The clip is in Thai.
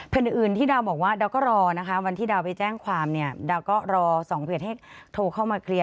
อื่นที่ดาวบอกว่าดาวก็รอนะคะวันที่ดาวไปแจ้งความเนี่ยดาวก็รอ๒เพจให้โทรเข้ามาเคลียร์